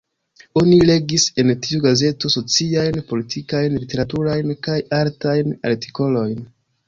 Oni legis en tiu gazeto sociajn, politikajn, literaturajn kaj artajn artikolojn.